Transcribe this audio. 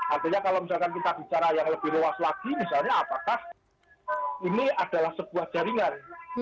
artinya kalau misalkan kita bicara yang lebih luas lagi misalnya apakah ini adalah sebuah jaringan